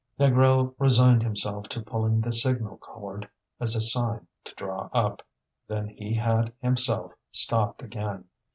Négrel resigned himself to pulling the signal cord as a sign to draw up. Then he had himself stopped again.